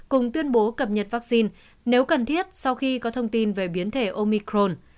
cùng tuyên bố cập nhật vaccine nếu cần thiết sau khi có thông tin về biến thể omicron